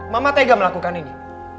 mama tega melakukan ini